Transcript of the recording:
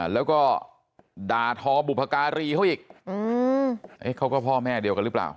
แล้วก็ด่าทอบุพการีเขาอีกเขาก็พ่อแม่เดียวกันหรือเปล่า